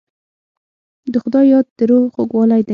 د خدای یاد د روح خوږوالی دی.